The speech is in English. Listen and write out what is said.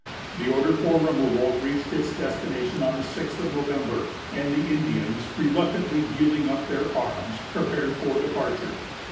The order for removal reached its destination on the sixth of November; and the Indians, reluctantly yielding up their arms, prepared for departure.